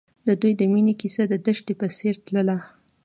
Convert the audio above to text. د دوی د مینې کیسه د دښته په څېر تلله.